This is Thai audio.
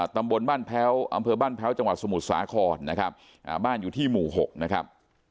ตำบลบ้านแพ้วอำเภอบ้านแพ้วจังหวัดสมุทรสาครนะครับบ้านอยู่ที่หมู่๖นะครับ